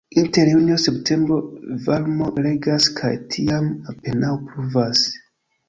Inter junio-septembro varmo regas kaj tiam apenaŭ pluvas.